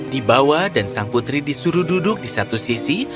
dibawa dan sang putri disuruh duduk di satu sisi